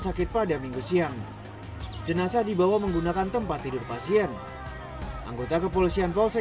sakit pada minggu siang jenazah dibawa menggunakan tempat tidur pasien anggota kepolisian polsek